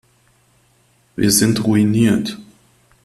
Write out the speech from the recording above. Wir sind ruiniert.